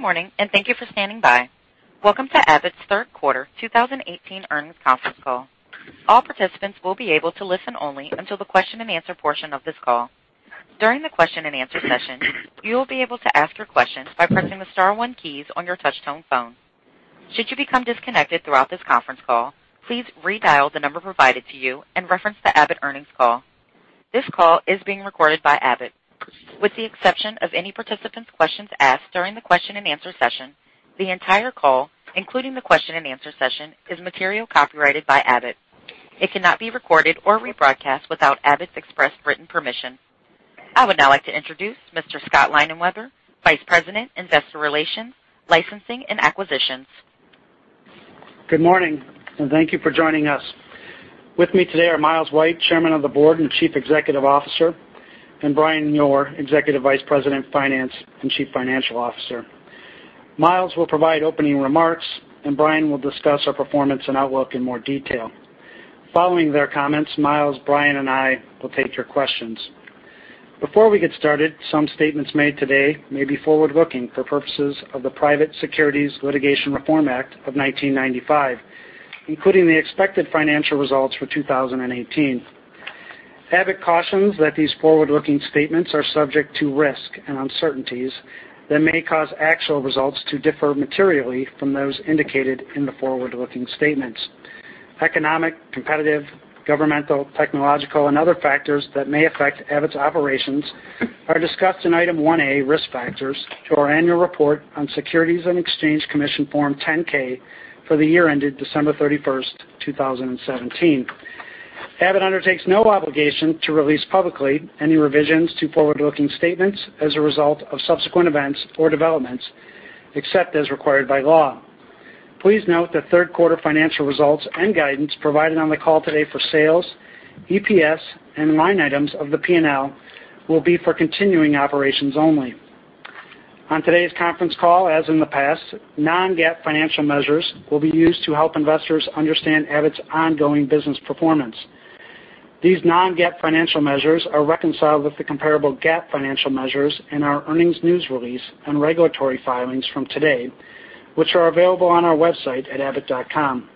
Good morning, thank you for standing by. Welcome to Abbott's third quarter 2018 earnings conference call. All participants will be able to listen only until the question and answer portion of this call. During the question and answer session, you will be able to ask your questions by pressing the star one keys on your touch-tone phone. Should you become disconnected throughout this conference call, please redial the number provided to you and reference the Abbott earnings call. This call is being recorded by Abbott. With the exception of any participant's questions asked during the question and answer session, the entire call, including the question and answer session, is material copyrighted by Abbott. It cannot be recorded or rebroadcast without Abbott's express written permission. I would now like to introduce Mr. Scott Leinenweber, Vice President, Investor Relations, Licensing and Acquisitions. Good morning, thank you for joining us. With me today are Miles White, Chairman of the Board and Chief Executive Officer, and Brian Yoor, Executive Vice President, Finance, and Chief Financial Officer. Miles will provide opening remarks, and Brian will discuss our performance and outlook in more detail. Following their comments, Miles, Brian, and I will take your questions. Before we get started, some statements made today may be forward-looking for purposes of the Private Securities Litigation Reform Act of 1995, including the expected financial results for 2018. Abbott cautions that these forward-looking statements are subject to risk and uncertainties that may cause actual results to differ materially from those indicated in the forward-looking statements. Economic, competitive, governmental, technological, and other factors that may affect Abbott's operations are discussed in Item 1A, Risk Factors, to our annual report on Securities and Exchange Commission Form 10-K for the year ended December 31st, 2017. Abbott undertakes no obligation to release publicly any revisions to forward-looking statements as a result of subsequent events or developments, except as required by law. Please note that third-quarter financial results and guidance provided on the call today for sales, EPS, and line items of the P&L will be for continuing operations only. On today's conference call, as in the past, non-GAAP financial measures will be used to help investors understand Abbott's ongoing business performance. These non-GAAP financial measures are reconciled with the comparable GAAP financial measures in our earnings news release and regulatory filings from today, which are available on our website at abbott.com.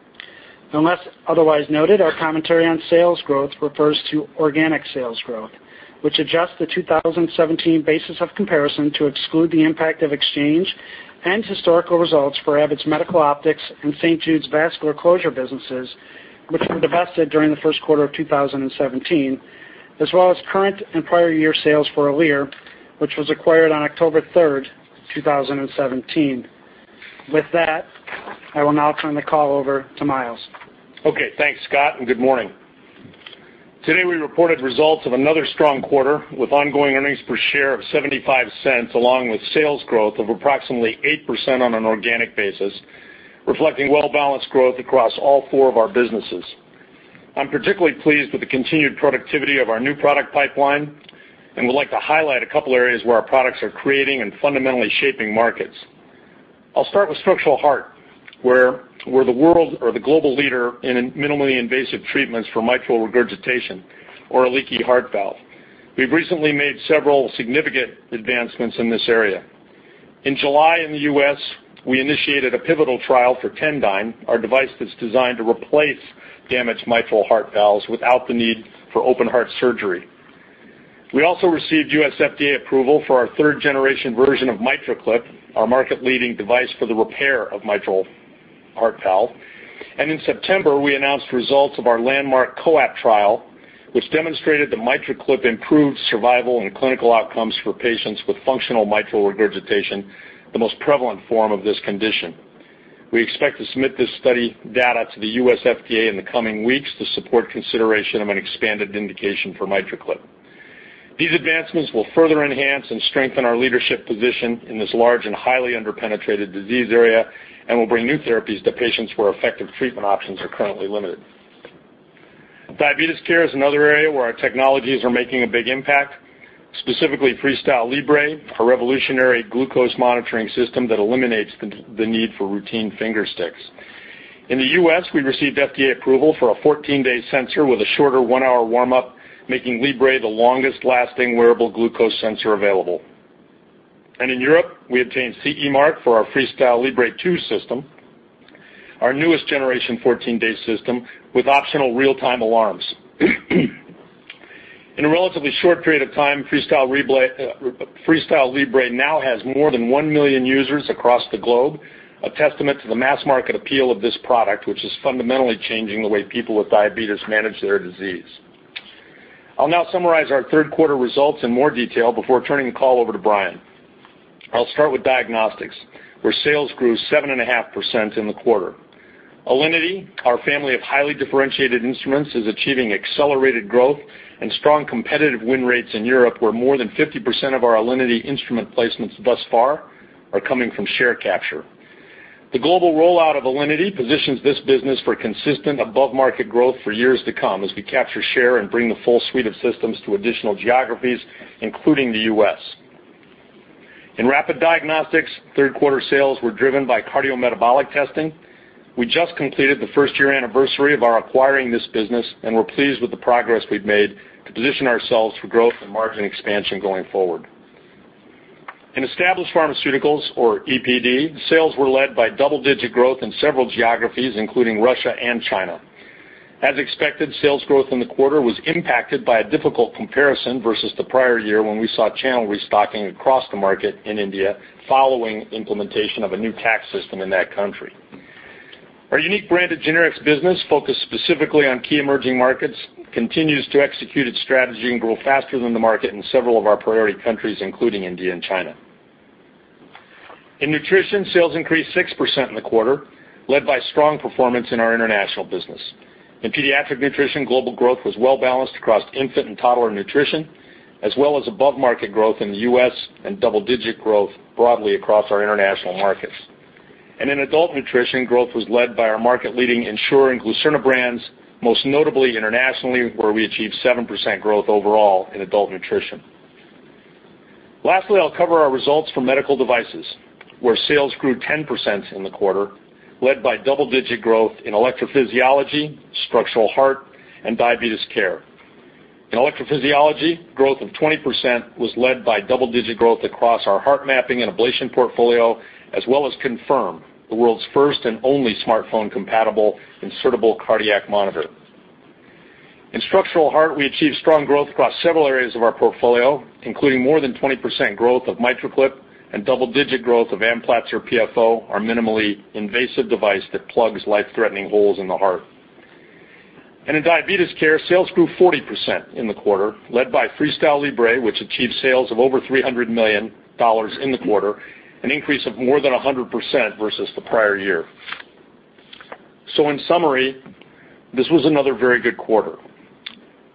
Unless otherwise noted, our commentary on sales growth refers to organic sales growth, which adjusts the 2017 basis of comparison to exclude the impact of exchange and historical results for Abbott Medical Optics and St. Jude's Vascular Closure businesses, which were divested during the first quarter of 2017, as well as current and prior year sales for Alere, which was acquired on October 3rd, 2017. With that, I will now turn the call over to Miles. Okay, thanks, Scott, good morning. Today, we reported results of another strong quarter with ongoing earnings per share of $0.75, along with sales growth of approximately 8% on an organic basis, reflecting well-balanced growth across all four of our businesses. I'm particularly pleased with the continued productivity of our new product pipeline and would like to highlight a couple areas where our products are creating and fundamentally shaping markets. I'll start with structural heart, where we're the global leader in minimally invasive treatments for mitral regurgitation or a leaky heart valve. We've recently made several significant advancements in this area. In July in the U.S., we initiated a pivotal trial for Tendyne, our device that's designed to replace damaged mitral heart valves without the need for open-heart surgery. We also received U.S. FDA approval for our third-generation version of MitraClip, our market-leading device for the repair of mitral heart valve. In September, we announced results of our landmark COAPT trial, which demonstrated that MitraClip improved survival and clinical outcomes for patients with functional mitral regurgitation, the most prevalent form of this condition. We expect to submit this study data to the U.S. FDA in the coming weeks to support consideration of an expanded indication for MitraClip. These advancements will further enhance and strengthen our leadership position in this large and highly under-penetrated disease area and will bring new therapies to patients where effective treatment options are currently limited. Diabetes care is another area where our technologies are making a big impact, specifically FreeStyle Libre, a revolutionary glucose monitoring system that eliminates the need for routine finger sticks. In the U.S., we received FDA approval for a 14-day sensor with a shorter one-hour warm-up, making Libre the longest-lasting wearable glucose sensor available. In Europe, we obtained CE mark for our FreeStyle Libre 2 system, our newest generation 14-day system with optional real-time alarms. In a relatively short period of time, FreeStyle Libre now has more than one million users across the globe, a testament to the mass market appeal of this product, which is fundamentally changing the way people with diabetes manage their disease. I'll now summarize our third-quarter results in more detail before turning the call over to Brian. I'll start with diagnostics, where sales grew 7.5% in the quarter. Alinity, our family of highly differentiated instruments, is achieving accelerated growth and strong competitive win rates in Europe, where more than 50% of our Alinity instrument placements thus far are coming from share capture. The global rollout of Alinity positions this business for consistent above-market growth for years to come as we capture share and bring the full suite of systems to additional geographies, including the U.S. In Rapid Diagnostics, third-quarter sales were driven by cardiometabolic testing. We just completed the first-year anniversary of our acquiring this business, and we're pleased with the progress we've made to position ourselves for growth and margin expansion going forward. In Established Pharmaceuticals, or EPD, sales were led by double-digit growth in several geographies, including Russia and China. As expected, sales growth in the quarter was impacted by a difficult comparison versus the prior year, when we saw channel restocking across the market in India, following implementation of a new tax system in that country. Our unique branded generics business, focused specifically on key emerging markets, continues to execute its strategy and grow faster than the market in several of our priority countries, including India and China. In Nutrition, sales increased 6% in the quarter, led by strong performance in our international business. In Pediatric Nutrition, global growth was well-balanced across infant and toddler nutrition, as well as above-market growth in the U.S., and double-digit growth broadly across our international markets. In Adult Nutrition, growth was led by our market-leading Ensure and Glucerna brands, most notably internationally, where we achieved 7% growth overall in Adult Nutrition. Lastly, I'll cover our results for medical devices, where sales grew 10% in the quarter, led by double-digit growth in electrophysiology, structural heart, and diabetes care. In electrophysiology, growth of 20% was led by double-digit growth across our heart mapping and ablation portfolio, as well as Confirm, the world's first and only smartphone-compatible insertable cardiac monitor. In structural heart, we achieved strong growth across several areas of our portfolio, including more than 20% growth of MitraClip and double-digit growth of Amplatzer PFO, our minimally invasive device that plugs life-threatening holes in the heart. In diabetes care, sales grew 40% in the quarter, led by FreeStyle Libre, which achieved sales of over $300 million in the quarter, an increase of more than 100% versus the prior year. In summary, this was another very good quarter,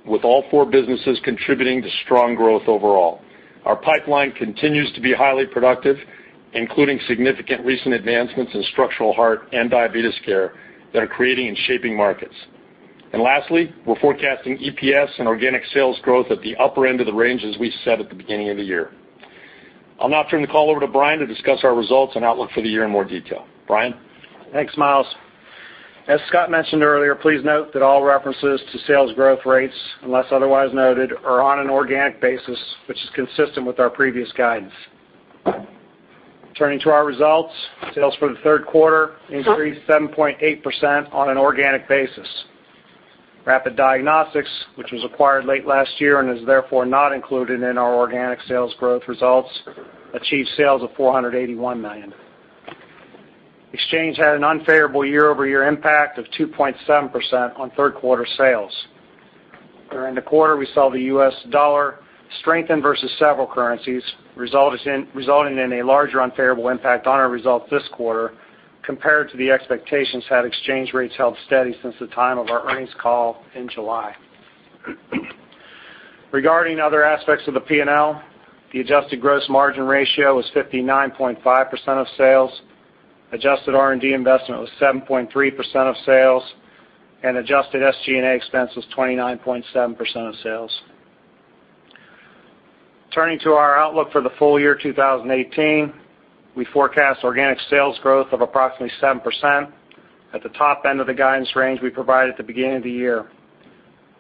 with all four businesses contributing to strong growth overall. Our pipeline continues to be highly productive, including significant recent advancements in structural heart and diabetes care that are creating and shaping markets. Lastly, we're forecasting EPS and organic sales growth at the upper end of the ranges we set at the beginning of the year. I'll now turn the call over to Brian to discuss our results and outlook for the year in more detail. Brian? Thanks, Miles. As Scott mentioned earlier, please note that all references to sales growth rates, unless otherwise noted, are on an organic basis, which is consistent with our previous guidance. Turning to our results, sales for the third quarter increased 7.8% on an organic basis. Rapid Diagnostics, which was acquired late last year and is therefore not included in our organic sales growth results, achieved sales of $481 million. Exchange had an unfavorable year-over-year impact of 2.7% on third-quarter sales. During the quarter, we saw the U.S. dollar strengthen versus several currencies, resulting in a larger unfavorable impact on our results this quarter compared to the expectations had exchange rates held steady since the time of our earnings call in July. Regarding other aspects of the P&L, the adjusted gross margin ratio was 59.5% of sales, adjusted R&D investment was 7.3% of sales, and adjusted SG&A expense was 29.7% of sales. Turning to our outlook for the full year 2018, we forecast organic sales growth of approximately 7% at the top end of the guidance range we provided at the beginning of the year.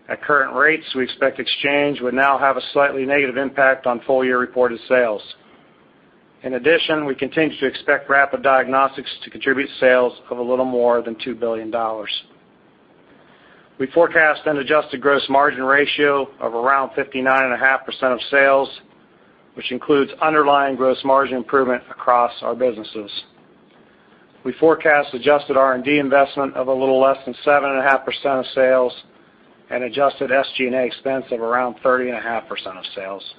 At current rates, we expect exchange would now have a slightly negative impact on full-year reported sales. In addition, we continue to expect Rapid Diagnostics to contribute sales of a little more than $2 billion. We forecast an adjusted gross margin ratio of around 59.5% of sales, which includes underlying gross margin improvement across our businesses. We forecast adjusted R&D investment of a little less than 7.5% of sales and adjusted SG&A expense of around 30.5% of sales.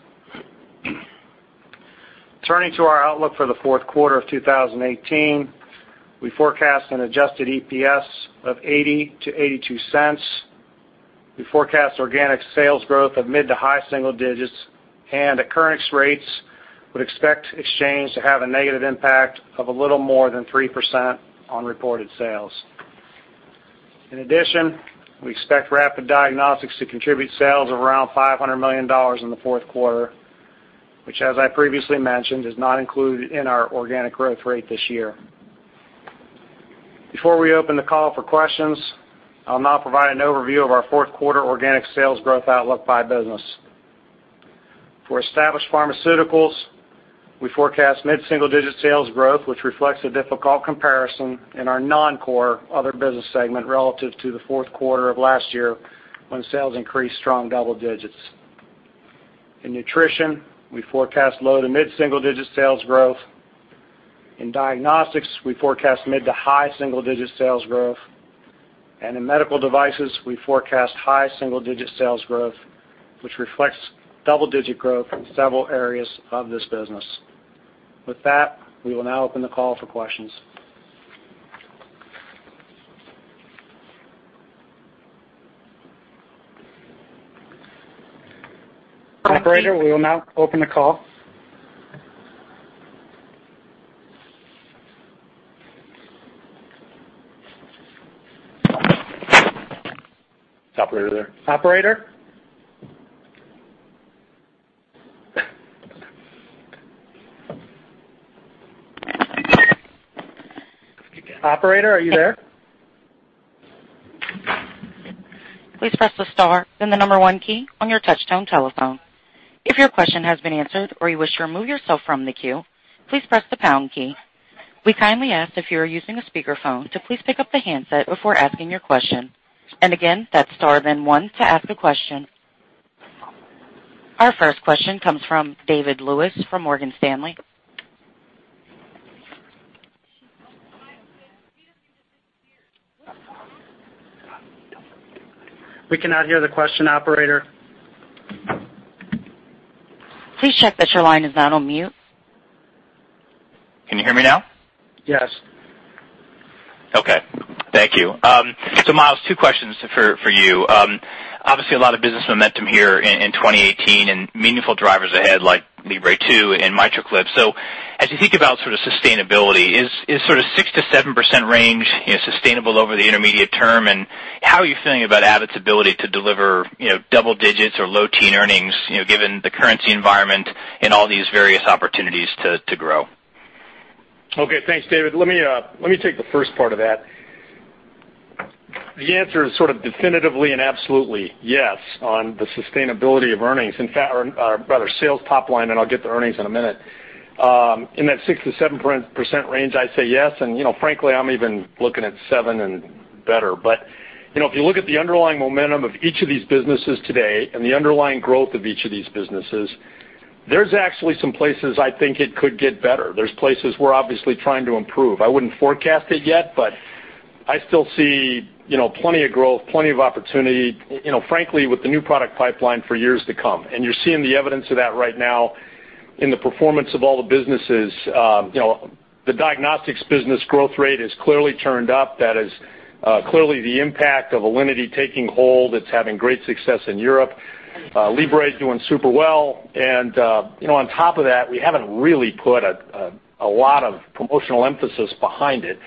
Turning to our outlook for the fourth quarter of 2018, we forecast an adjusted EPS of $0.80-$0.82. We forecast organic sales growth of mid to high single digits, and at current rates, would expect exchange to have a negative impact of a little more than 3% on reported sales. In addition, we expect Rapid Diagnostics to contribute sales of around $500 million in the fourth quarter, which, as I previously mentioned, is not included in our organic growth rate this year. Before we open the call for questions, I'll now provide an overview of our fourth quarter organic sales growth outlook by business. For Established Pharmaceuticals, we forecast mid-single-digit sales growth, which reflects a difficult comparison in our non-core other business segment relative to the fourth quarter of last year, when sales increased strong double digits. In Nutrition, we forecast low- to mid-single-digit sales growth. In Diagnostics, we forecast mid to high single-digit sales growth. In Medical Devices, we forecast high single-digit sales growth, which reflects double-digit growth in several areas of this business. With that, we will now open the call for questions. Operator, we will now open the call. Operator. Operator, are you there? Please press the star, then the number 1 key on your touchtone telephone. If your question has been answered or you wish to remove yourself from the queue, please press the pound key. We kindly ask, if you are using a speakerphone, to please pick up the handset before asking your question. Again, that's star then one to ask a question. Our first question comes from David Lewis, from Morgan Stanley. We cannot hear the question, operator. Please check that your line is not on mute. Can you hear me now? Yes. Okay. Thank you. Miles, 2 questions for you. Obviously, a lot of business momentum here in 2018, and meaningful drivers ahead like Libre2 and MitraClip. As you think about sort of sustainability, is sort of 6%-7% range sustainable over the intermediate term, and how are you feeling about Abbott's ability to deliver double digits or low teen earnings, given the currency environment and all these various opportunities to grow? Okay. Thanks, David. Let me take the first part of that. The answer is sort of definitively and absolutely yes on the sustainability of earnings. In fact, or rather sales top line, and I'll get to earnings in a minute. In that 6%-7% range, I'd say yes, and frankly, I'm even looking at 7 and better. If you look at the underlying momentum of each of these businesses today and the underlying growth of each of these businesses, there's actually some places I think it could get better. There's places we're obviously trying to improve. I wouldn't forecast it yet, I still see plenty of growth, plenty of opportunity, frankly, with the new product pipeline for years to come. You're seeing the evidence of that right now in the performance of all the businesses. The diagnostics business growth rate has clearly turned up. That is clearly the impact of Alinity taking hold. It's having great success in Europe. Libre is doing super well. On top of that, we haven't really put a lot of promotional emphasis behind it.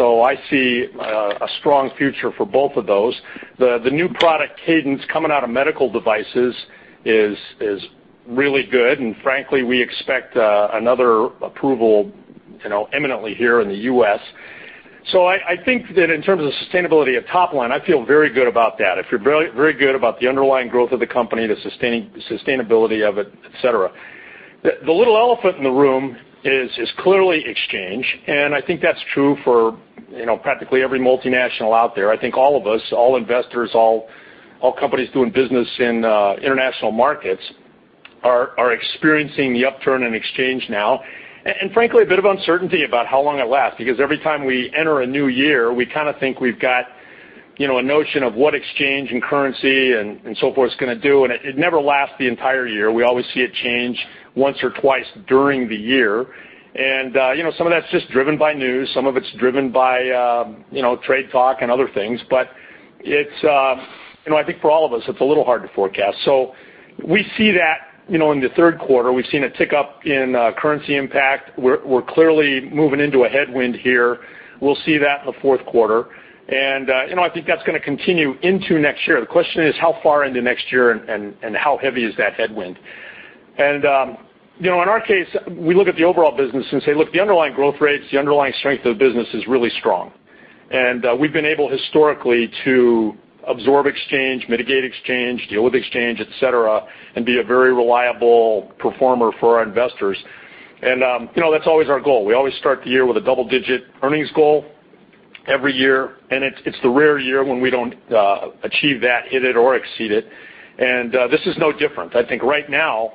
I see a strong future for both of those. The new product cadence coming out of medical devices is really good, and frankly, we expect another approval imminently here in the U.S. I think that in terms of sustainability of top line, I feel very good about that. I feel very good about the underlying growth of the company, the sustainability of it, et cetera. The little elephant in the room is clearly exchange, and I think that's true for practically every multinational out there. I think all of us, all investors, all companies doing business in international markets are experiencing the upturn in exchange now, and frankly, a bit of uncertainty about how long it'll last, because every time we enter a new year, we kind of think we've got a notion of what exchange and currency and so forth is going to do, and it never lasts the entire year. We always see it change once or twice during the year. Some of that's just driven by news, some of it's driven by trade talk and other things. I think for all of us, it's a little hard to forecast. We see that in the third quarter. We've seen a tick up in currency impact. We're clearly moving into a headwind here. We'll see that in the fourth quarter. I think that's going to continue into next year. The question is, how far into next year and how heavy is that headwind? In our case, we look at the overall business and say, look, the underlying growth rates, the underlying strength of the business is really strong. We've been able historically to absorb exchange, mitigate exchange, deal with exchange, et cetera, and be a very reliable performer for our investors. That's always our goal. We always start the year with a double-digit earnings goal every year, and it's the rare year when we don't achieve that, hit it or exceed it. This is no different. I think right now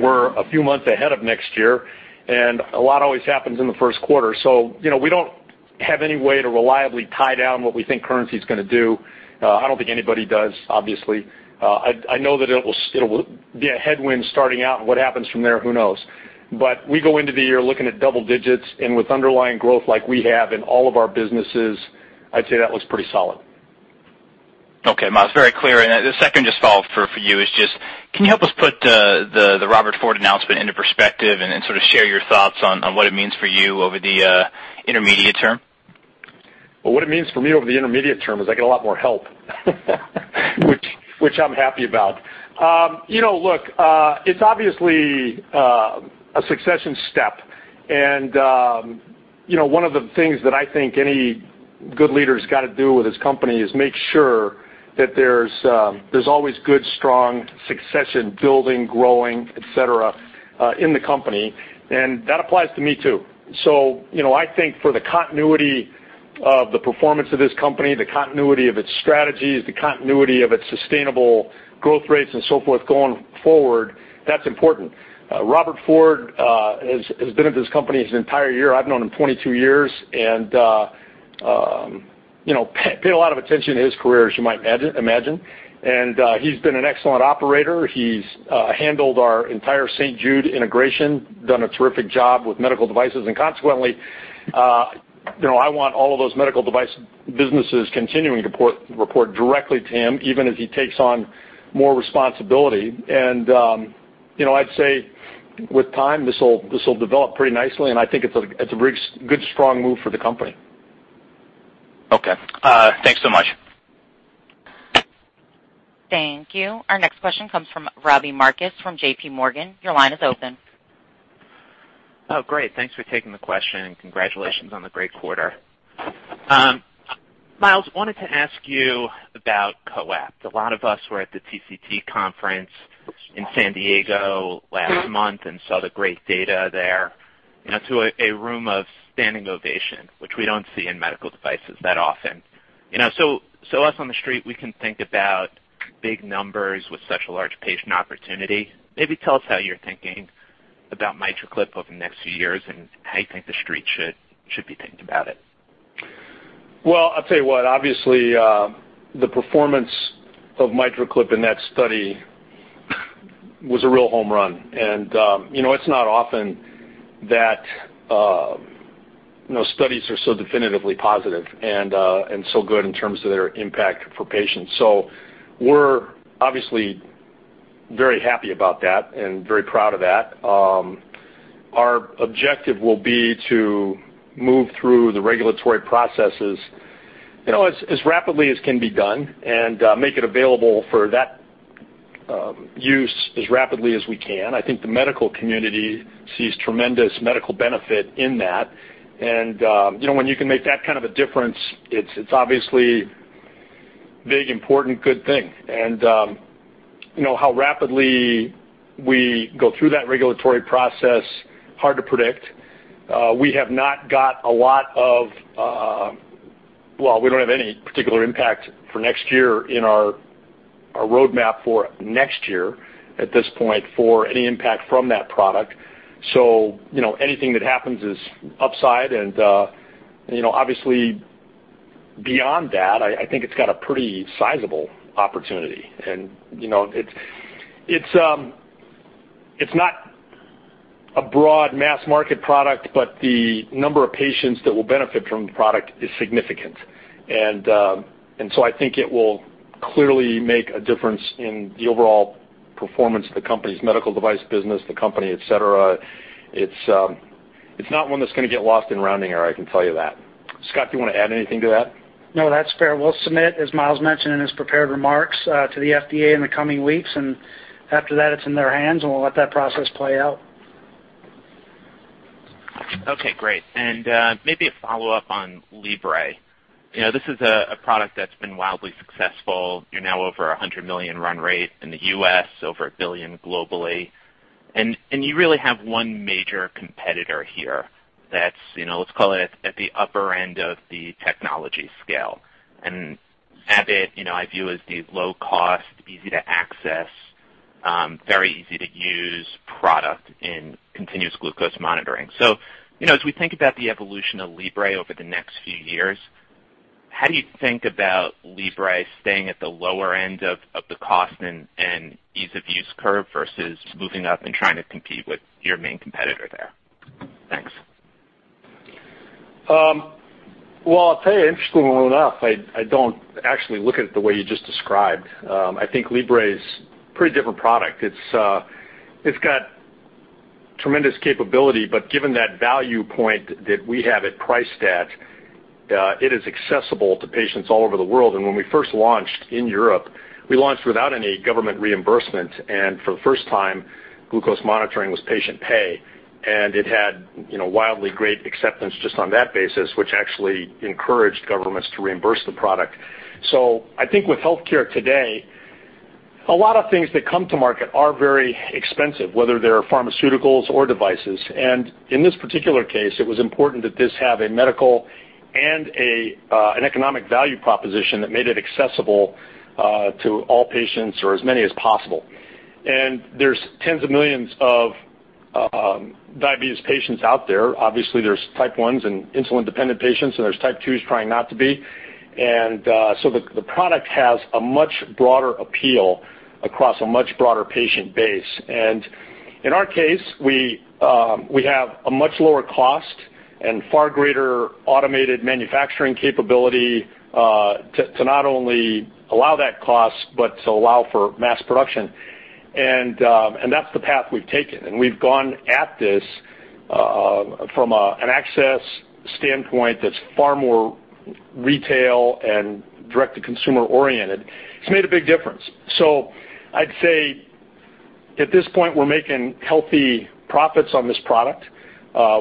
we're a few months ahead of next year, and a lot always happens in the first quarter. We don't have any way to reliably tie down what we think currency's going to do. I don't think anybody does, obviously. I know that it will be a headwind starting out, and what happens from there, who knows? We go into the year looking at double digits, and with underlying growth like we have in all of our businesses, I'd say that looks pretty solid. Okay, Miles. Very clear. The second just follow-up for you is just, can you help us put the Robert Ford announcement into perspective and then sort of share your thoughts on what it means for you over the intermediate term? Well, what it means for me over the intermediate term is I get a lot more help, which I'm happy about. Look, it's obviously a succession step, and one of the things that I think any good leader's got to do with his company is make sure that there's always good, strong succession building, growing, et cetera, in the company. That applies to me, too. I think for the continuity of the performance of this company, the continuity of its strategies, the continuity of its sustainable growth rates and so forth going forward, that's important. Robert Ford has been at this company his entire year. I've known him 22 years and paid a lot of attention to his career, as you might imagine. He's been an excellent operator. He's handled our entire St. Jude Medical integration, done a terrific job with medical devices, consequently I want all of those medical device businesses continuing to report directly to him, even as he takes on more responsibility. I'd say with time, this will develop pretty nicely, I think it's a good, strong move for the company. Okay. Thanks so much. Thank you. Our next question comes from Robbie Marcus from JPMorgan. Your line is open. Great. Thanks for taking the question, congratulations on the great quarter. Miles, wanted to ask you about COAPT. A lot of us were at the TCT conference in San Diego last month and saw the great data there to a room of standing ovation, which we don't see in medical devices that often. Us on the street, we can think about big numbers with such a large patient opportunity. Maybe tell us how you're thinking about MitraClip over the next few years and how you think the street should be thinking about it. I'll tell you what, obviously, the performance of MitraClip in that study was a real home run. It's not often that studies are so definitively positive and so good in terms of their impact for patients. We're obviously very happy about that and very proud of that. Our objective will be to move through the regulatory processes as rapidly as can be done and make it available for that use as rapidly as we can. I think the medical community sees tremendous medical benefit in that. When you can make that kind of a difference, it's obviously big, important, good thing. How rapidly we go through that regulatory process, hard to predict. We don't have any particular impact for next year in our roadmap for next year at this point for any impact from that product. Anything that happens is upside. Obviously beyond that, I think it's got a pretty sizable opportunity. It's not a broad mass market product, but the number of patients that will benefit from the product is significant. I think it will clearly make a difference in the overall performance of the company's medical device business, the company, et cetera. It's not one that's going to get lost in rounding error, I can tell you that. Scott, do you want to add anything to that? No, that's fair. We'll submit, as Miles mentioned in his prepared remarks, to the FDA in the coming weeks. After that, it's in their hands, and we'll let that process play out. Okay, great. Maybe a follow-up on Libre. This is a product that's been wildly successful. You're now over a $100 million run rate in the U.S., over $1 billion globally. You really have one major competitor here that's, let's call it, at the upper end of the technology scale. Abbott, I view as the low-cost, easy-to-access, very easy-to-use product in continuous glucose monitoring. As we think about the evolution of Libre over the next few years, how do you think about Libre staying at the lower end of the cost and ease of use curve versus moving up and trying to compete with your main competitor there? Thanks. Well, I'll tell you, interestingly enough, I don't actually look at it the way you just described. I think Libre is a pretty different product. It's got tremendous capability, but given that value point that we have it priced at, it is accessible to patients all over the world. When we first launched in Europe, we launched without any government reimbursement, and for the first time, glucose monitoring was patient pay. It had wildly great acceptance just on that basis, which actually encouraged governments to reimburse the product. I think with healthcare today, a lot of things that come to market are very expensive, whether they're pharmaceuticals or devices. In this particular case, it was important that this have a medical and an economic value proposition that made it accessible to all patients or as many as possible. There's tens of millions of diabetes patients out there. Obviously, there's type 1s and insulin-dependent patients, and there's type 2s trying not to be. The product has a much broader appeal across a much broader patient base. In our case, we have a much lower cost and far greater automated manufacturing capability, to not only allow that cost, but to allow for mass production. That's the path we've taken. We've gone at this from an access standpoint that's far more retail and direct-to-consumer oriented. It's made a big difference. I'd say at this point, we're making healthy profits on this product.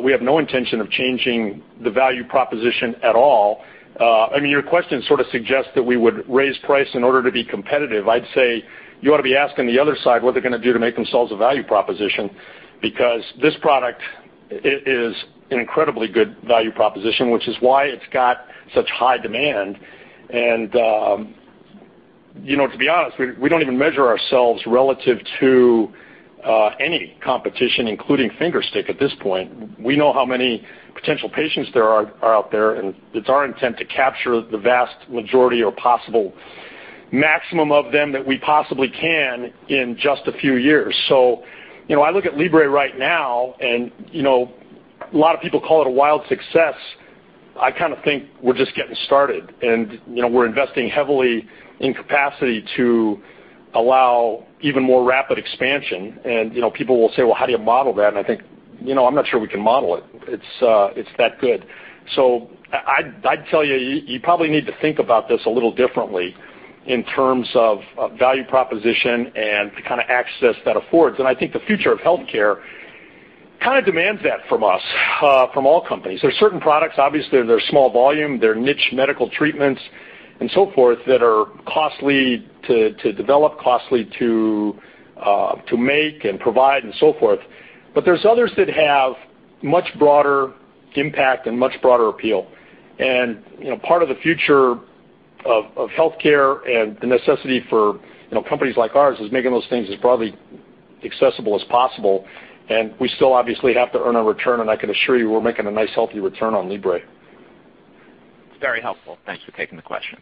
We have no intention of changing the value proposition at all. Your question sort of suggests that we would raise price in order to be competitive. I'd say you ought to be asking the other side what they're going to do to make themselves a value proposition, because this product is an incredibly good value proposition, which is why it's got such high demand. To be honest, we don't even measure ourselves relative to any competition, including finger stick at this point. We know how many potential patients there are out there, and it's our intent to capture the vast majority or possible maximum of them that we possibly can in just a few years. I look at Libre right now, and a lot of people call it a wild success. I kind of think we're just getting started, and we're investing heavily in capacity to allow even more rapid expansion. People will say, "Well, how do you model that?" I think, I'm not sure we can model it. It's that good. I'd tell you probably need to think about this a little differently in terms of value proposition and the kind of access that affords. I think the future of healthcare kind of demands that from us, from all companies. There's certain products, obviously, they're small volume, they're niche medical treatments and so forth, that are costly to develop, costly to make and provide and so forth. There's others that have much broader impact and much broader appeal. Part of the future of healthcare and the necessity for companies like ours is making those things as broadly accessible as possible. We still obviously have to earn a return, and I can assure you we're making a nice, healthy return on Libre. Very helpful. Thanks for taking the question.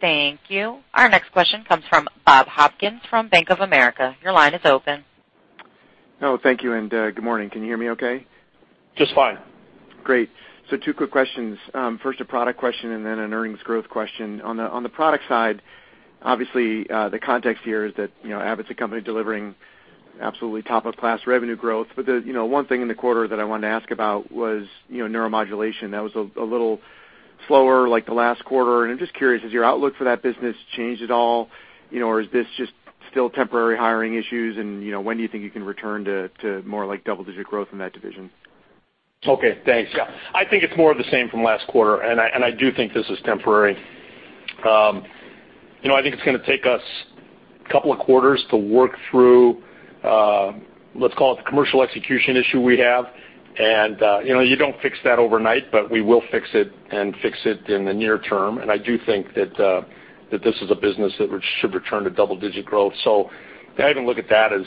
Thank you. Our next question comes from Bob Hopkins from Bank of America. Your line is open. Oh, thank you. Good morning. Can you hear me okay? Just fine. Great. Two quick questions. First a product question and then an earnings growth question. On the product side, obviously, the context here is that Abbott's a company delivering absolutely top of class revenue growth. The one thing in the quarter that I wanted to ask about was Neuromodulation. That was a little slower, like the last quarter. I'm just curious, has your outlook for that business changed at all? Is this just still temporary hiring issues and when do you think you can return to more double-digit growth in that division? Okay, thanks. Yeah. I think it's more of the same from last quarter, I do think this is temporary. I think it's going to take us a couple of quarters to work through, let's call it, the commercial execution issue we have. You don't fix that overnight, we will fix it and fix it in the near term. I do think that this is a business that should return to double-digit growth. I even look at that as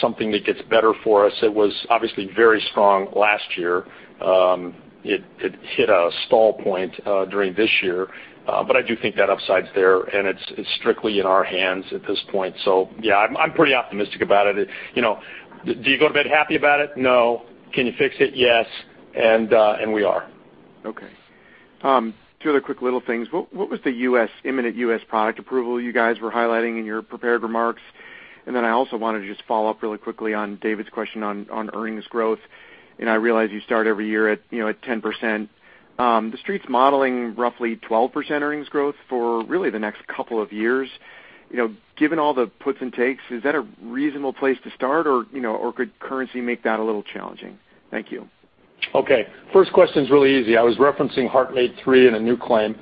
something that gets better for us. It was obviously very strong last year. It hit a stall point during this year. I do think that upside's there, and it's strictly in our hands at this point. Yeah, I'm pretty optimistic about it. Do you go to bed happy about it? No. Can you fix it? Yes, and we are. Okay. Two other quick little things. What was the imminent U.S. product approval you guys were highlighting in your prepared remarks? I also wanted to just follow up really quickly on David's question on earnings growth, and I realize you start every year at 10%. The Street's modeling roughly 12% earnings growth for really the next couple of years. Given all the puts and takes, is that a reasonable place to start, could currency make that a little challenging? Thank you. Okay. First question's really easy. I was referencing HeartMate 3 and a new claim.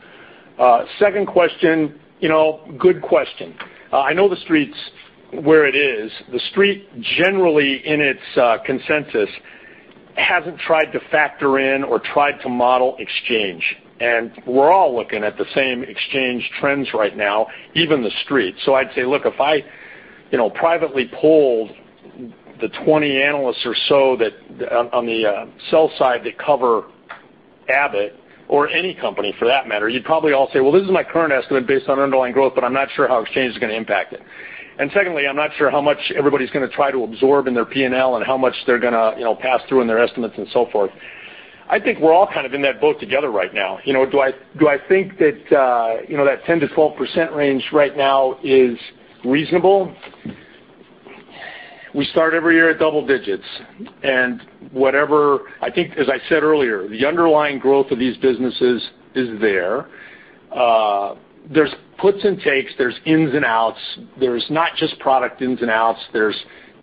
Second question, good question. I know the Street's where it is. The Street, generally in its consensus, hasn't tried to factor in or tried to model exchange, we're all looking at the same exchange trends right now, even the Street. I'd say, look, if I privately polled the 20 analysts or so on the sell side that cover Abbott, or any company for that matter, you'd probably all say, "Well, this is my current estimate based on underlying growth, but I'm not sure how exchange is going to impact it." Secondly, I'm not sure how much everybody's going to try to absorb in their P&L and how much they're going to pass through in their estimates and so forth. I think we're all kind of in that boat together right now. Do I think that that 10%-12% range right now is reasonable? We start every year at double digits, and I think as I said earlier, the underlying growth of these businesses is there. There's puts and takes. There's ins and outs. There's not just product ins and outs. There's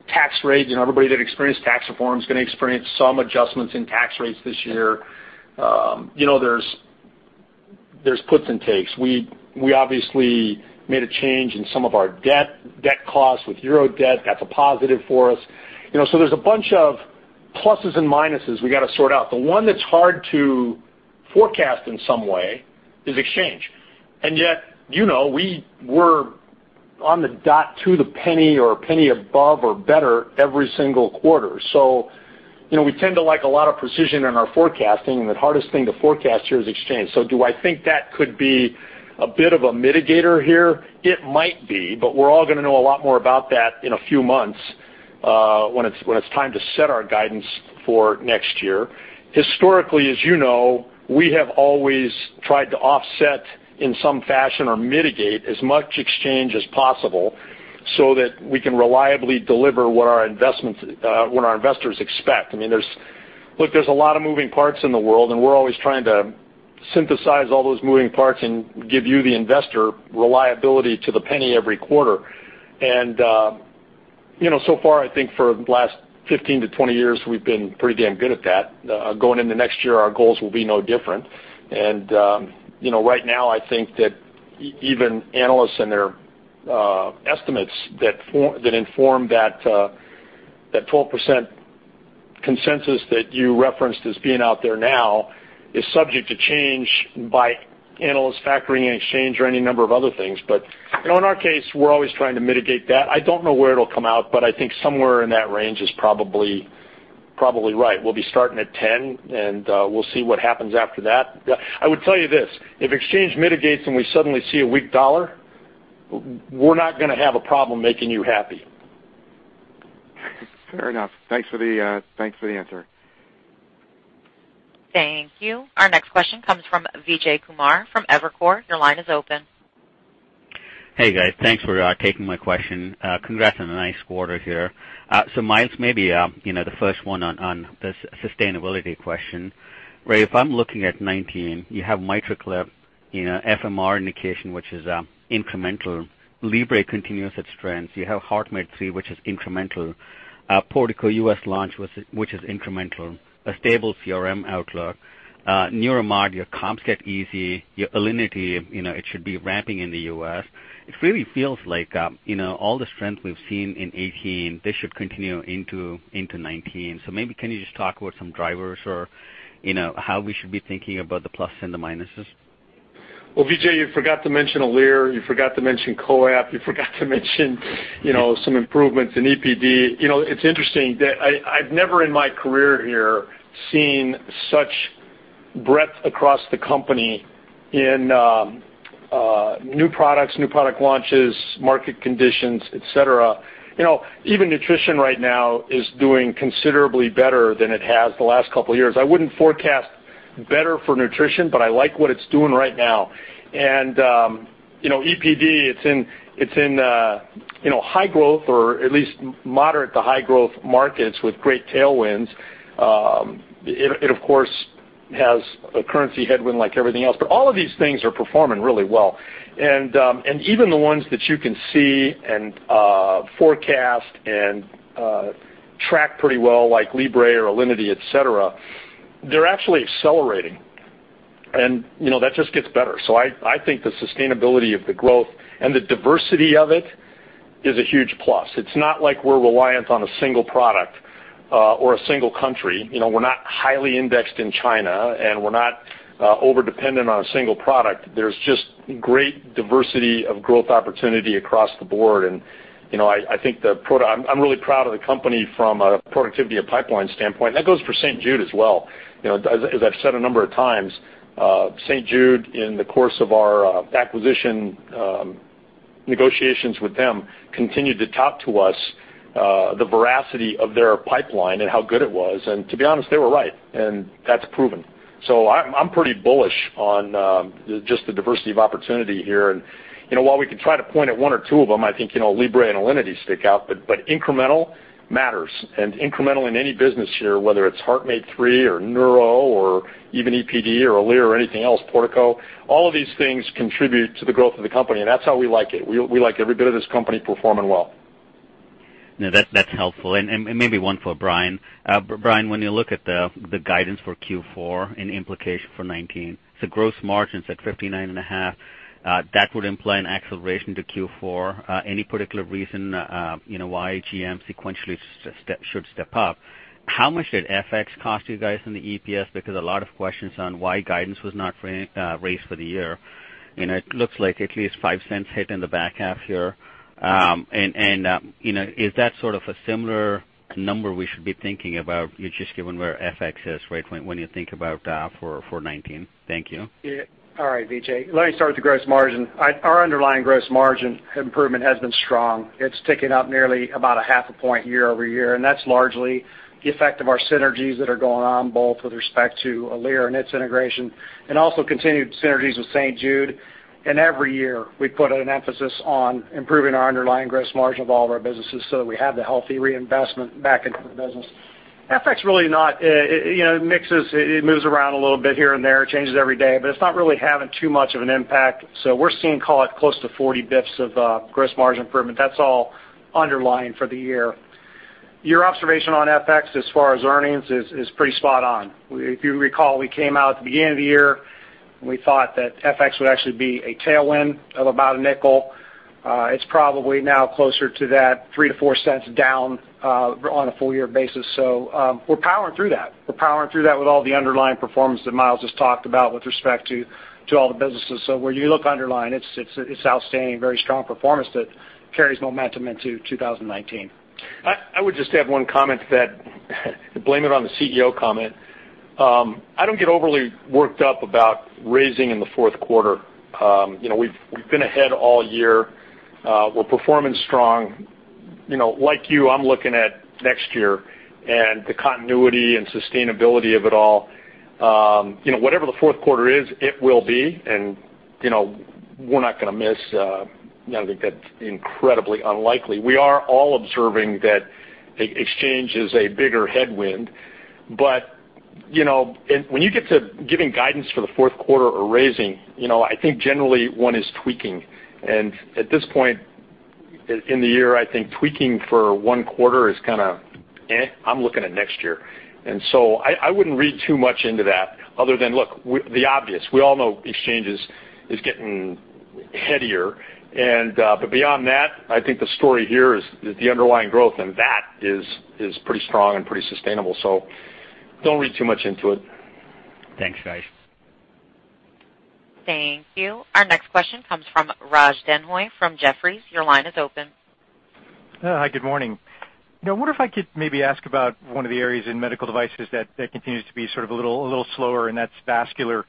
tax rates, and everybody that experienced tax reform is going to experience some adjustments in tax rates this year. There's puts and takes. We obviously made a change in some of our debt costs with euro debt. That's a positive for us. There's a bunch of pluses and minuses we got to sort out. The one that's hard to forecast in some way is exchange. Yet, we were on the dot to the penny or a penny above or better every single quarter. We tend to like a lot of precision in our forecasting, and the hardest thing to forecast here is exchange. Do I think that could be a bit of a mitigator here? It might be, but we're all going to know a lot more about that in a few months, when it's time to set our guidance for next year. Historically, as you know, we have always tried to offset in some fashion or mitigate as much exchange as possible so that we can reliably deliver what our investors expect. Look, there's a lot of moving parts in the world, and we're always trying to synthesize all those moving parts and give you, the investor, reliability to the penny every quarter. So far, I think for the last 15-20 years, we've been pretty damn good at that. Going into next year, our goals will be no different. Right now, I think that even analysts and their estimates that inform that 12% consensus that you referenced as being out there now is subject to change by analysts factoring in exchange or any number of other things. In our case, we're always trying to mitigate that. I don't know where it'll come out, but I think somewhere in that range is probably right. We'll be starting at 10%, and we'll see what happens after that. I would tell you this, if exchange mitigates and we suddenly see a weak dollar, we're not going to have a problem making you happy. Fair enough. Thanks for the answer. Thank you. Our next question comes from Vijay Kumar from Evercore. Your line is open. Hey, guys. Thanks for taking my question. Congrats on a nice quarter here. Miles, maybe the first one on this sustainability question. Where if I'm looking at 2019, you have MitraClip, FMR indication, which is incremental. Libre continues its trends. You have HeartMate 3, which is incremental. Portico U.S. launch, which is incremental, a stable CRM outlook. Neuromod, your comps get easy, your Alinity, it should be ramping in the U.S. It really feels like all the strength we've seen in 2018, this should continue into 2019. Maybe can you just talk about some drivers or how we should be thinking about the plus and the minuses? Vijay, you forgot to mention Alere, you forgot to mention COAPT, you forgot to mention some improvements in EPD. It's interesting that I've never in my career here seen such breadth across the company in new products, new product launches, market conditions, et cetera. Even nutrition right now is doing considerably better than it has the last couple of years. I wouldn't forecast better for nutrition, but I like what it's doing right now. EPD, it's in high growth or at least moderate to high growth markets with great tailwinds. It, of course, has a currency headwind like everything else, but all of these things are performing really well. Even the ones that you can see and forecast and track pretty well, like Libre or Alinity, et cetera, they're actually accelerating. That just gets better. I think the sustainability of the growth and the diversity of it is a huge plus. It's not like we're reliant on a single product or a single country. We're not highly indexed in China, and we're not over-dependent on a single product. There's just great diversity of growth opportunity across the board, and I'm really proud of the company from a productivity of pipeline standpoint, and that goes for St. Jude as well. As I've said a number of times, St. Jude, in the course of our acquisition negotiations with them, continued to talk to us the veracity of their pipeline and how good it was. To be honest, they were right, and that's proven. I'm pretty bullish on just the diversity of opportunity here. While we could try to point at one or two of them, I think Libre and Alinity stick out, incremental matters. Incremental in any business here, whether it's HeartMate 3 or Neuro or even EPD or Alere or anything else, Portico, all of these things contribute to the growth of the company, and that's how we like it. We like every bit of this company performing well. No, that's helpful, and maybe one for Brian. Brian, when you look at the guidance for Q4 and implication for 2019, gross margins at 59.5%, that would imply an acceleration to Q4. Any particular reason why GM sequentially should step up? How much did FX cost you guys in the EPS? A lot of questions on why guidance was not raised for the year, and it looks like at least $0.05 hit in the back half here. Is that sort of a similar number we should be thinking about, just given where FX is right when you think about for 2019? Thank you. All right, Vijay. Let me start with the gross margin. Our underlying gross margin improvement has been strong. It's ticking up nearly about a half a point year-over-year, and that's largely the effect of our synergies that are going on, both with respect to Alere and its integration, and also continued synergies with St. Jude. Every year we put an emphasis on improving our underlying gross margin of all of our businesses so that we have the healthy reinvestment back into the business. FX. It mixes, it moves around a little bit here and there. It changes every day, but it's not really having too much of an impact. We're seeing, call it, close to 40 basis points of gross margin improvement. That's all underlying for the year. Your observation on FX as far as earnings is pretty spot on. If you recall, we came out at the beginning of the year and we thought that FX would actually be a tailwind of about $0.05. It's probably now closer to that $0.03-$0.04 down on a full year basis. We're powering through that. We're powering through that with all the underlying performance that Miles just talked about with respect to all the businesses. When you look underlying, it's outstanding, very strong performance that carries momentum into 2019. I would just have one comment to that. Blame it on the CEO comment. I don't get overly worked up about raising in the fourth quarter. We've been ahead all year. We're performing strong. Like you, I'm looking at next year and the continuity and sustainability of it all. Whatever the fourth quarter is, it will be, and we're not going to miss. I think that's incredibly unlikely. We are all observing that exchange is a bigger headwind. When you get to giving guidance for the fourth quarter or raising, I think generally one is tweaking. At this point in the year, I think tweaking for one quarter is kind of eh, I'm looking at next year. I wouldn't read too much into that other than, look, the obvious. We all know exchanges is getting headier. Beyond that, I think the story here is the underlying growth, and that is pretty strong and pretty sustainable. Don't read too much into it. Thanks, guys. Thank you. Our next question comes from Raj Denhoy from Jefferies. Your line is open. Hi, good morning. I wonder if I could maybe ask about one of the areas in medical devices that continues to be sort of a little slower, and that's vascular.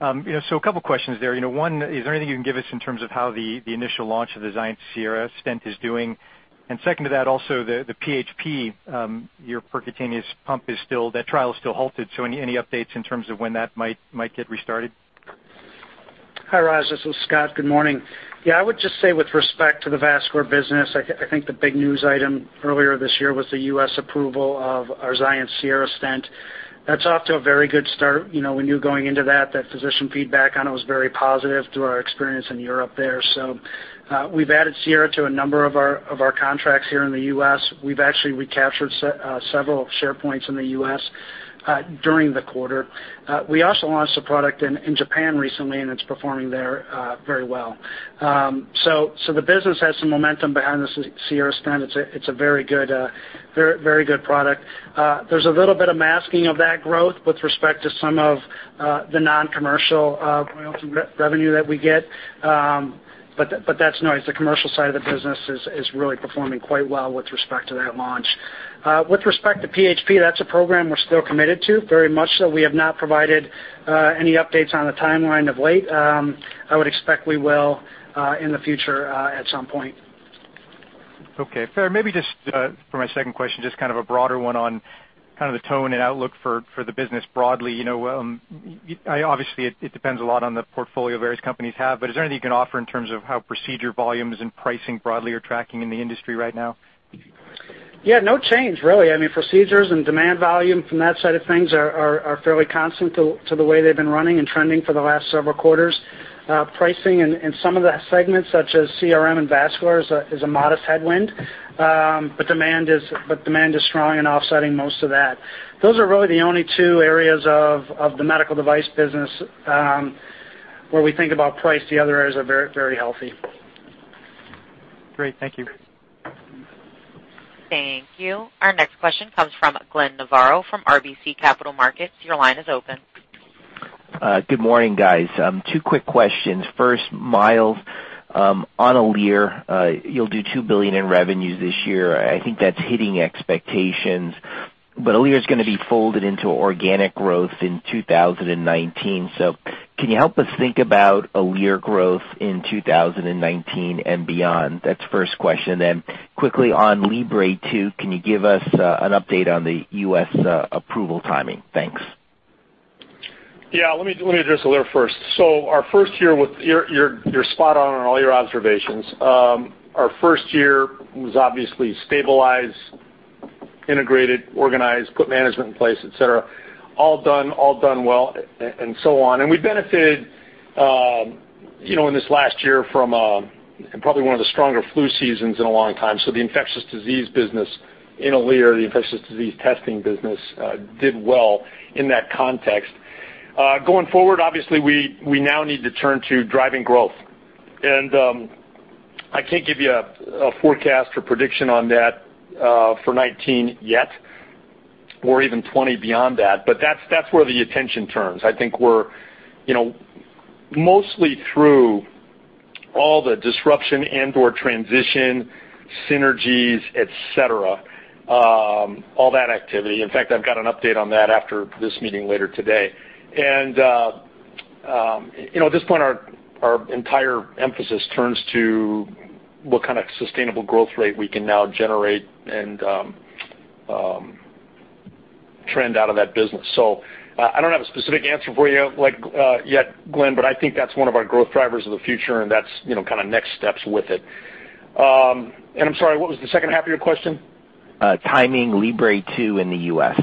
A couple of questions there. One, is there anything you can give us in terms of how the initial launch of the XIENCE Sierra stent is doing? Second to that, also the PHP, your percutaneous pump, that trial is still halted. Any updates in terms of when that might get restarted? Hi, Raj. This is Scott. Good morning. I would just say with respect to the vascular business, I think the big news item earlier this year was the U.S. approval of our XIENCE Sierra stent. That's off to a very good start. We knew going into that physician feedback on it was very positive through our experience in Europe there. We've added Sierra to a number of our contracts here in the U.S. We've actually recaptured several share points in the U.S. during the quarter. We also launched a product in Japan recently, and it's performing there very well. The business has some momentum behind the Sierra stent. It's a very good product. There's a little bit of masking of that growth with respect to some of the non-commercial royalty revenue that we get. That's noise. The commercial side of the business is really performing quite well with respect to that launch. With respect to PHP, that's a program we're still committed to, very much so. We have not provided any updates on the timeline of late. I would expect we will in the future at some point. Okay. Fair. Maybe just for my second question, just kind of a broader one on kind of the tone and outlook for the business broadly. Obviously, it depends a lot on the portfolio various companies have, but is there anything you can offer in terms of how procedure volumes and pricing broadly are tracking in the industry right now? Yeah, no change, really. Procedures and demand volume from that side of things are fairly constant to the way they've been running and trending for the last several quarters. Pricing in some of the segments, such as CRM and vascular, is a modest headwind. Demand is strong and offsetting most of that. Those are really the only two areas of the medical device business where we think about price. The other areas are very healthy. Great. Thank you. Thank you. Our next question comes from Glenn Novarro from RBC Capital Markets. Your line is open. Good morning, guys. Two quick questions. First, Miles, on Alere, you'll do $2 billion in revenues this year. I think that's hitting expectations. Alere's going to be folded into organic growth in 2019. Can you help us think about Alere growth in 2019 and beyond? That's the first question, quickly on Libre 2, can you give us an update on the U.S. approval timing? Thanks. Yeah. Let me address Alere first. You're spot on on all your observations. Our first year was obviously stabilize, integrated, organized, put management in place, et cetera. All done well, and so on. We benefited in this last year from probably one of the stronger flu seasons in a long time. The infectious disease business in Alere, the infectious disease testing business, did well in that context. Going forward, obviously, we now need to turn to driving growth. I can't give you a forecast or prediction on that for 2019 yet, or even 2020 beyond that, but that's where the attention turns. I think we're mostly through all the disruption and/or transition synergies, et cetera, all that activity. In fact, I've got an update on that after this meeting later today. At this point, our entire emphasis turns to what kind of sustainable growth rate we can now generate and trend out of that business. I don't have a specific answer for you yet, Glenn, but I think that's one of our growth drivers of the future, and that's kind of next steps with it. I'm sorry, what was the second half of your question? Timing Libre 2 in the U.S.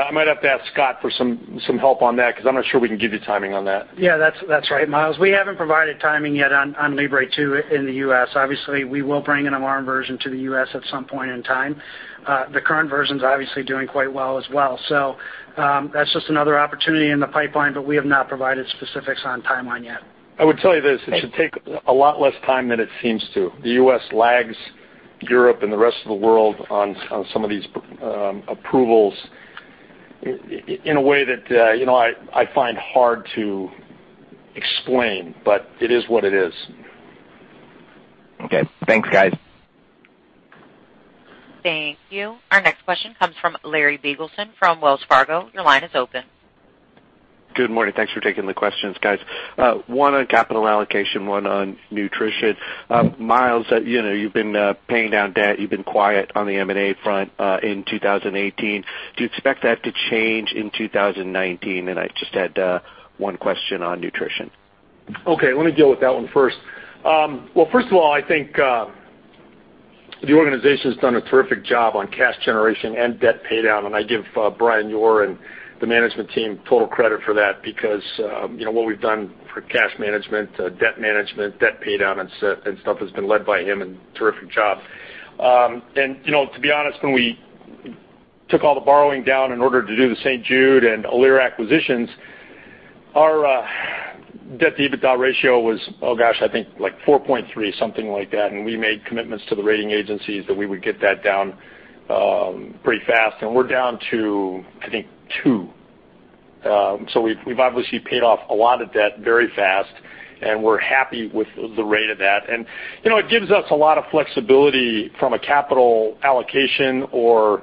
I might have to ask Scott for some help on that because I'm not sure we can give you timing on that. Yeah, that's right, Miles. We haven't provided timing yet on Libre2 in the U.S. Obviously, we will bring an MRM version to the U.S. at some point in time. The current version's obviously doing quite well as well. That's just another opportunity in the pipeline, but we have not provided specifics on timeline yet. I would tell you this, it should take a lot less time than it seems to. The U.S. lags Europe and the rest of the world on some of these approvals in a way that I find hard to explain, but it is what it is. Okay. Thanks, guys. Thank you. Our next question comes from Larry Biegelsen from Wells Fargo. Your line is open. Good morning. Thanks for taking the questions, guys. One on capital allocation, one on nutrition. Miles, you've been paying down debt. You've been quiet on the M&A front in 2018. Do you expect that to change in 2019? I just had one question on nutrition. Okay, let me deal with that one first. Well, first of all, I think the organization's done a terrific job on cash generation and debt paydown, and I give Brian Yoor and the management team total credit for that because what we've done for cash management, debt management, debt paydown and stuff has been led by him and terrific job. To be honest, when we took all the borrowing down in order to do the St. Jude and Alere acquisitions, our debt-to-EBITDA ratio was, oh gosh, I think like 4.3, something like that. We made commitments to the rating agencies that we would get that down pretty fast, and we're down to, I think, two. We've obviously paid off a lot of debt very fast, and we're happy with the rate of that. It gives us a lot of flexibility from a capital allocation or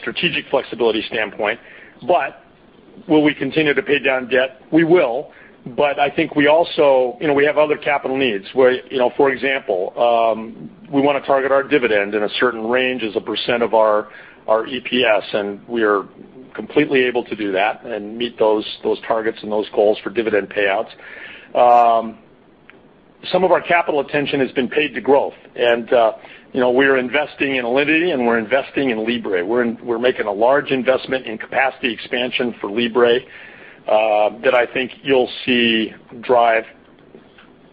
strategic flexibility standpoint. Will we continue to pay down debt? We will, but I think we have other capital needs, where, for example, we want to target our dividend in a certain range as a % of our EPS, and we're completely able to do that and meet those targets and those goals for dividend payouts. Some of our capital attention has been paid to growth. We're investing in Alinity and we're investing in Libre. We're making a large investment in capacity expansion for Libre, that I think you'll see drive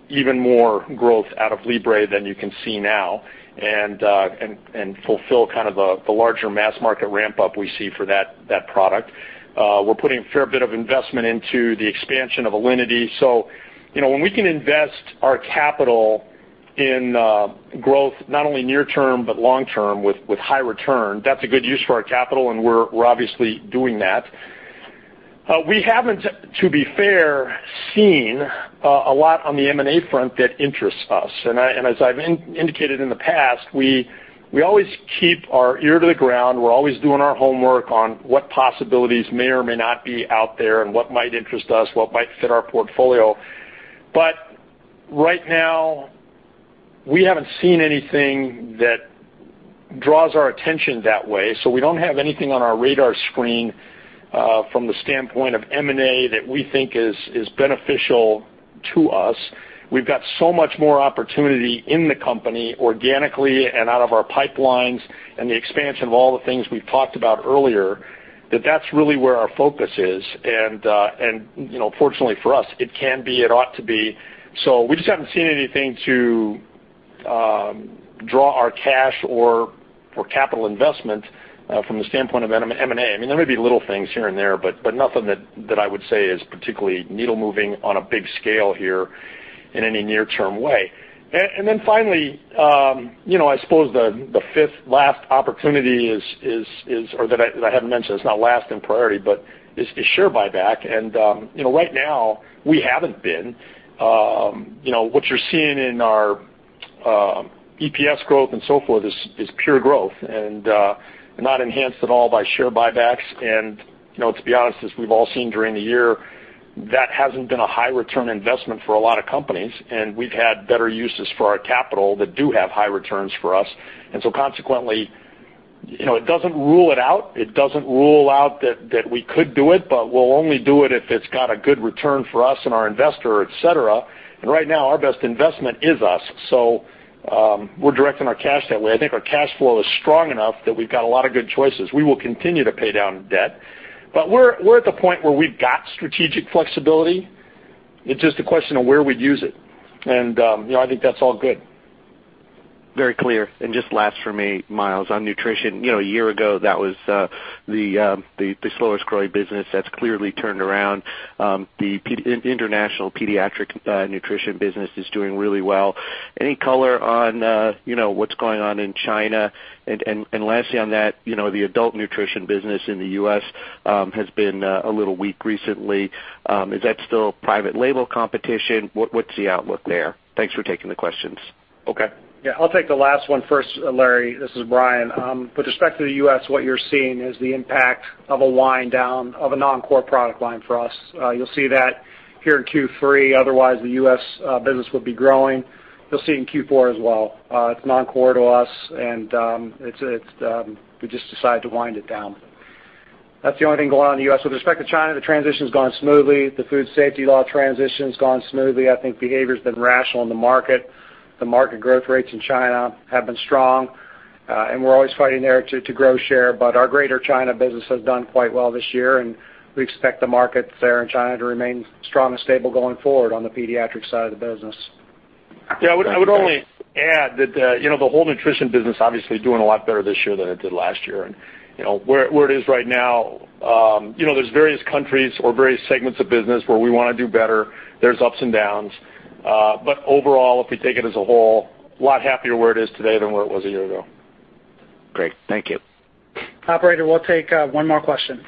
even more growth out of Libre than you can see now, and fulfill kind of the larger mass market ramp-up we see for that product. We're putting a fair bit of investment into the expansion of Alinity. When we can invest our capital in growth, not only near term, but long term with high return, that's a good use for our capital, and we're obviously doing that. We haven't, to be fair, seen a lot on the M&A front that interests us. As I've indicated in the past, we always keep our ear to the ground. We're always doing our homework on what possibilities may or may not be out there and what might interest us, what might fit our portfolio. Right now, we haven't seen anything that draws our attention that way. We don't have anything on our radar screen, from the standpoint of M&A that we think is beneficial to us. We've got so much more opportunity in the company organically and out of our pipelines, and the expansion of all the things we've talked about earlier, that that's really where our focus is. Fortunately for us, it can be, it ought to be. We just haven't seen anything to draw our cash or capital investment from the standpoint of M&A. There may be little things here and there, but nothing that I would say is particularly needle-moving on a big scale here in any near-term way. Finally, I suppose the fifth last opportunity that I haven't mentioned, it's not last in priority, but is share buyback. Right now, we haven't been. What you're seeing in our EPS growth and so forth is pure growth and not enhanced at all by share buybacks. To be honest, as we've all seen during the year, that hasn't been a high return investment for a lot of companies, we've had better uses for our capital that do have high returns for us. Consequently, it doesn't rule it out. It doesn't rule out that we could do it, but we'll only do it if it's got a good return for us and our investor, et cetera. Right now, our best investment is us. We're directing our cash that way. I think our cash flow is strong enough that we've got a lot of good choices. We will continue to pay down debt, but we're at the point where we've got strategic flexibility. It's just a question of where we'd use it. I think that's all good. Very clear. Just last from me, Miles, on nutrition. A year ago, that was the slowest growing business. That's clearly turned around. The international pediatric nutrition business is doing really well. Any color on what's going on in China? Lastly on that, the adult nutrition business in the U.S. has been a little weak recently. Is that still private label competition? What's the outlook there? Thanks for taking the questions. Okay. I'll take the last one first, Larry. This is Brian. With respect to the U.S., what you're seeing is the impact of a wind down of a non-core product line for us. You'll see that here in Q3. Otherwise, the U.S. business would be growing. You'll see it in Q4 as well. It's non-core to us, and we just decided to wind it down. That's the only thing going on in the U.S. With respect to China, the transition's gone smoothly. The food safety law transition's gone smoothly. I think behavior's been rational in the market. The market growth rates in China have been strong. We're always fighting there to grow share. Our greater China business has done quite well this year, and we expect the markets there in China to remain strong and stable going forward on the pediatric side of the business. I would only add that the whole nutrition business obviously doing a lot better this year than it did last year. Where it is right now, there's various countries or various segments of business where we want to do better. There's ups and downs. Overall, if we take it as a whole, lot happier where it is today than where it was a year ago. Great. Thank you. Operator, we'll take one more question.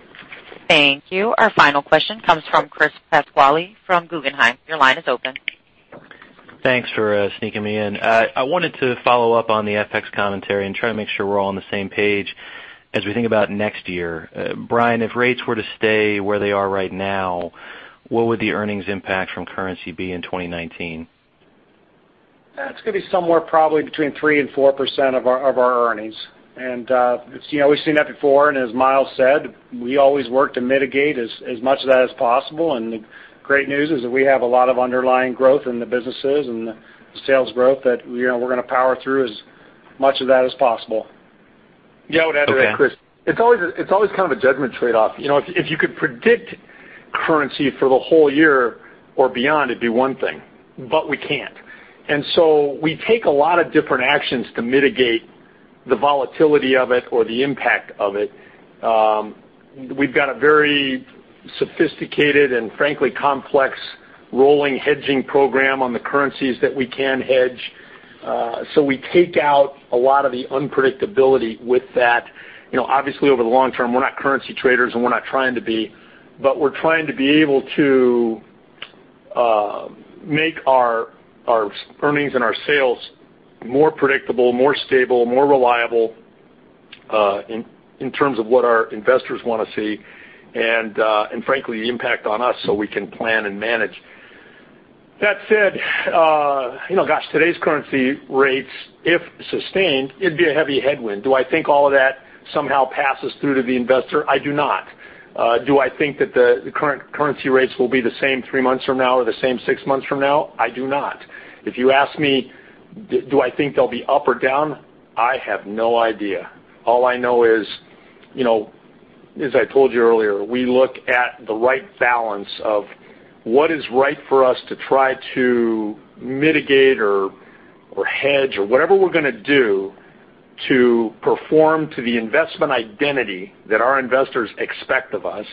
Thank you. Our final question comes from Chris Pasquale from Guggenheim. Your line is open. Thanks for sneaking me in. I wanted to follow up on the FX commentary and try to make sure we're all on the same page as we think about next year. Brian, if rates were to stay where they are right now, what would the earnings impact from currency be in 2019? It's going to be somewhere probably between 3% and 4% of our earnings. We've seen that before, as Miles said, we always work to mitigate as much of that as possible, the great news is that we have a lot of underlying growth in the businesses and the sales growth that we're going to power through as much of that as possible. Yeah, I would add to that, Chris. It's always kind of a judgment trade-off. If you could predict currency for the whole year or beyond, it'd be one thing, but we can't. We take a lot of different actions to mitigate the volatility of it or the impact of it. We've got a very sophisticated and frankly, complex rolling hedging program on the currencies that we can hedge. We take out a lot of the unpredictability with that. Obviously, over the long term, we're not currency traders, and we're not trying to be, but we're trying to be able to make our earnings and our sales more predictable, more stable, more reliable, in terms of what our investors want to see, and frankly, the impact on us so we can plan and manage. That said, gosh, today's currency rates, if sustained, it'd be a heavy headwind. Do I think all of that somehow passes through to the investor? I do not. Do I think that the current currency rates will be the same three months from now or the same six months from now? I do not. If you ask me, do I think they'll be up or down? I have no idea. All I know is, as I told you earlier, we look at the right balance of what is right for us to try to mitigate or hedge or whatever we're going to do to perform to the investment identity that our investors expect of us,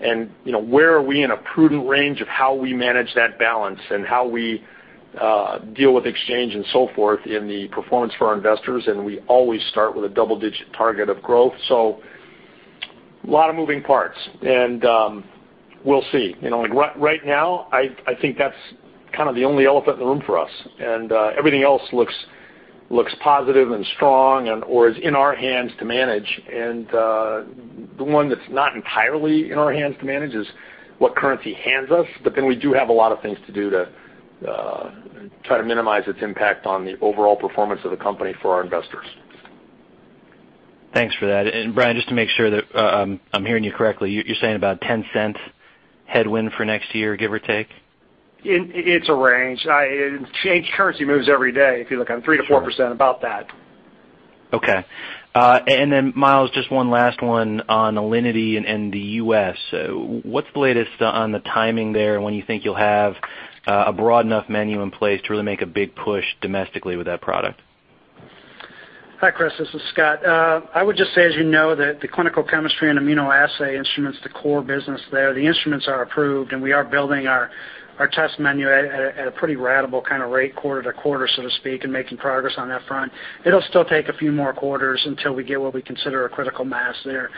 and where are we in a prudent range of how we manage that balance and how we deal with exchange and so forth in the performance for our investors, and we always start with a double-digit target of growth. A lot of moving parts, and we'll see. Right now, I think that's kind of the only elephant in the room for us, everything else looks positive and strong or is in our hands to manage. The one that's not entirely in our hands to manage is what currency hands us, we do have a lot of things to do to try to minimize its impact on the overall performance of the company for our investors. Thanks for that. Brian, just to make sure that I'm hearing you correctly, you're saying about $0.10 Headwind for next year, give or take? It's a range. Currency moves every day. If you look on 3%-4%, about that. Okay. Miles, just one last one on Alinity and the U.S. What's the latest on the timing there and when you think you'll have a broad enough menu in place to really make a big push domestically with that product? Hi, Chris. This is Scott. I would just say, as you know, that the clinical chemistry and immunoassay instruments, the core business there, the instruments are approved, and we are building our test menu at a pretty ratable kind of rate quarter to quarter, so to speak, and making progress on that front. It'll still take a few more quarters until we get what we consider a critical mass there.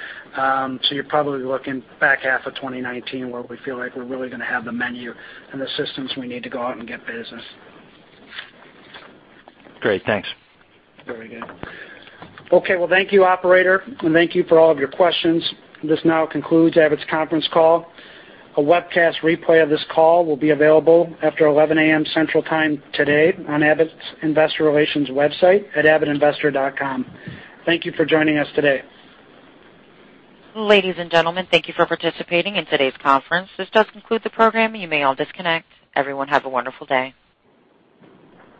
You're probably looking back half of 2019 where we feel like we're really going to have the menu and the systems we need to go out and get business. Great. Thanks. Very good. Okay, well, thank you, operator, and thank you for all of your questions. This now concludes Abbott's conference call. A webcast replay of this call will be available after 11:00 A.M. Central Time today on Abbott's investor relations website at abbottinvestor.com. Thank you for joining us today. Ladies and gentlemen, thank you for participating in today's conference. This does conclude the program. You may all disconnect. Everyone, have a wonderful day.